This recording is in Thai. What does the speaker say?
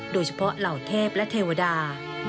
โดยเฉพาะเหล่าเทพและเทวดา